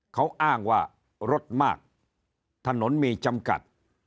เขาอ้างว่ารถมากถนนมีจำกัด